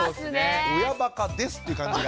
親バカですっていう感じが。